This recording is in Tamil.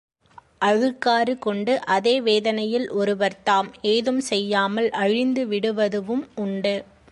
அழுக்காறு கொண்டு அதே வேதனையில் ஒருவர் தாம் ஏதும் செய்யாமல் அழிந்துவிடுவதும் உண்டு.